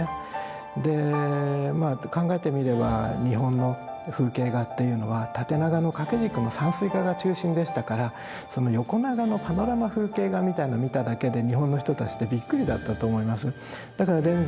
まあ考えてみれば日本の風景画っていうのは縦長の掛け軸の山水画が中心でしたからその横長のパノラマ風景画みたいなのを見ただけで日本の人たちってびっくりだったと思いますよ。